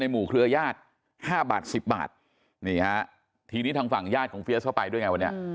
หมู่เครือญาติ๕บาท๑๐บาทนี่ฮะทีนี้ทางฝั่งญาติของเฟียสเข้าไปด้วยไงวันนี้